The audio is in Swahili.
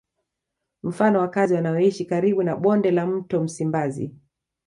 Mfano wakazi wanaoishi karibu na bonde la mto Msimbazi